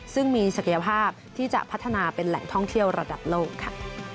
ซึ่งมีศักยภาพที่จะพัฒนาเป็นแหล่งท่องเที่ยวระดับโลกค่ะ